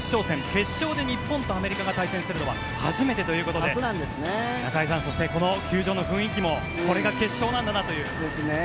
決勝で日本とアメリカが対戦するのは初めてということで中居さん、そしてこの球場の雰囲気もこれが決勝なんだなという。